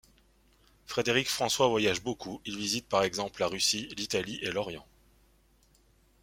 Frédéric-François voyage beaucoup, il visite par exemple la Russie, l'Italie et l'Orient.